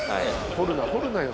掘るな掘るなよ